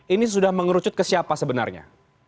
ini sudah mengerucut ke siapa sebenarnya